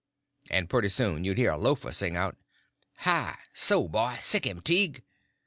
And pretty soon you'd hear a loafer sing out, "Hi! so boy! sick him, Tige!"